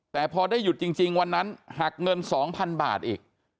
แต่พอได้หยุดจริงวันนั้นหักเงิน๒๐๐๐บาทอีก